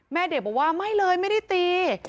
แม่เด็กบอกว่าไม่เลยไม่ได้ตี